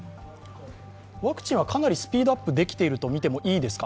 ワクチンはかなりスピードアップできているとみていいですか？